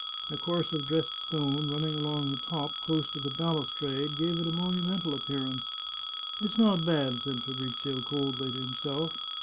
A course of dressed stone, running along the top, close to the balustrade, gave it a monumental appearance. " It's not bad," said Fabrizio coldly to himself.